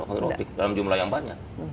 aerotik dalam jumlah yang banyak